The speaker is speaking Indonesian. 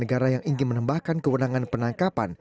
negara yang ingin menambahkan kewenangan penangkapan